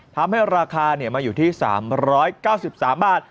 ทำให้ราคามาอยู่ที่๓๙๓บาท